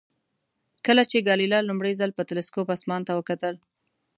کله چې ګالیله لومړی ځل په تلسکوپ اسمان ته وکتل.